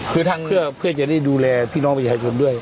เพื่อดูแลพี่น้องพ่อไข้คนด้วย